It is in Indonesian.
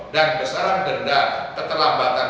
dan besaran denda keterlambatan